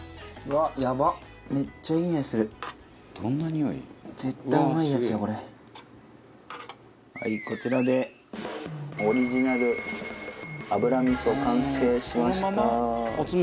はいこちらでオリジナルあぶら味噌完成しました。